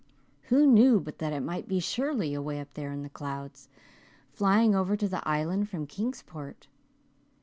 Who knew but that it might be Shirley away up there in the clouds, flying over to the Island from Kingsport?